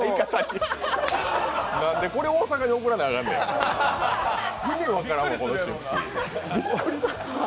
なんでこれ大阪に送らなあかんねん。